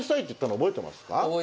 覚えてます。